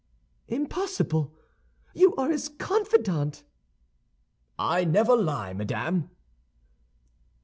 "Impossible; you are his confidant!" "I never lie, madame."